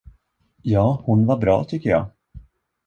Ja, hon var bra tycker jag.